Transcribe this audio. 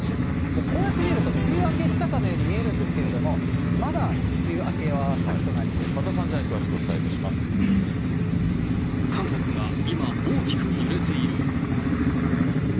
もうこうやって見ると梅雨明けしたかのように見えるんですけれども、また３時台に詳しくお伝えし韓国が今、大きく揺れている。